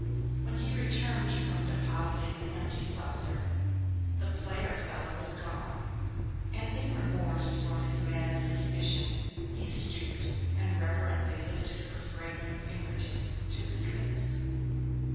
When he returned from depositing the empty saucer, the player fellow was gone, and in remorse for his mad suspicion he stooped and reverently lifted her fragrant finger tips to his lips.